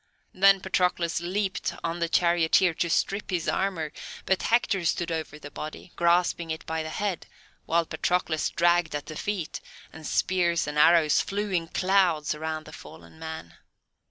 Then Patroclus leaped on the charioteer to strip his armour, but Hector stood over the body, grasping it by the head, while Patroclus dragged at the feet, and spears and arrows flew in clouds around the fallen man.